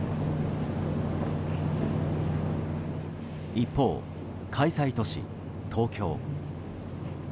一方、開催都市・東京。